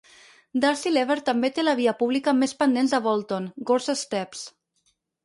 Darcy Lever també té la via pública amb més pendent de Bolton, Gorses Steps